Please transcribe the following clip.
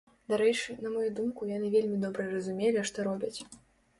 Дарэчы, на маю думку, яны вельмі добра разумелі, што робяць.